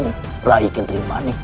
dan memperbaiki antremanik